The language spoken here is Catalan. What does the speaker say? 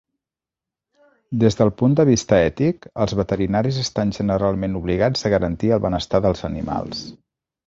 Des del punt de vista ètic, els veterinaris estan generalment obligats a garantir el benestar dels animals.